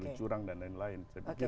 pemilu curang dan lain lain